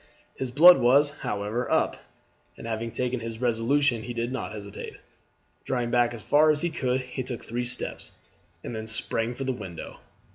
His blood was, however, up, and having taken his resolution he did not hesitate. Drawing back as far as he could he took three steps, and then sprang for the window.